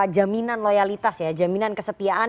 jaminan loyalitas ya jaminan kesetiaan